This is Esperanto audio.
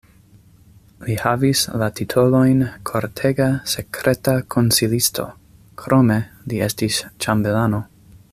Li havis la titolojn kortega sekreta konsilisto, krome li estis ĉambelano.